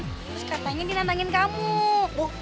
terus katanya di nantangin kamu